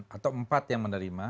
atau empat yang menerima